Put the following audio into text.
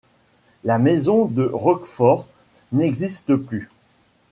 La maison de Roquefort n'existe plus.